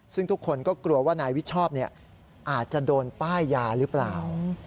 ซึ่งทุกคนก็กลัวว่านายวิชชอบอาจจะโดนป้ายยาหรือเปล่า